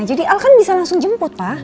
jadi al kan bisa langsung jemput pak